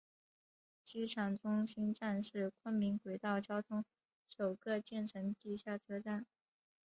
机场中心站是昆明轨道交通首个建成地下车站。